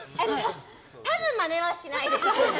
多分、マネはしないです。